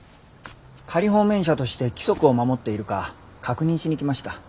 仮放免者として規則を守っているか確認しに来ました。